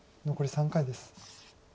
残り３回です。